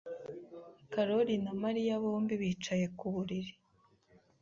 Karoli na Mariya bombi bicaye ku buriri.